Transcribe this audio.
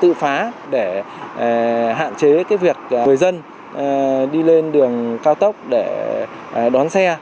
tự phá để hạn chế việc người dân đi lên đường cao tốc để đón xe